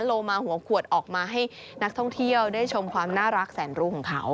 โลมาหัวขวดออกมาให้นักท่องเที่ยวได้ชมความน่ารักแสนรู้ของเขา